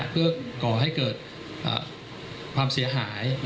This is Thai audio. เพื่อก่อให้เกิดความเสียหาย